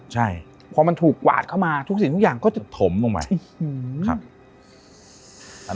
ใช่พอมันถูกกวาดเข้ามาทุกสิ่งทุกอย่างก็จะถมลงไปครับ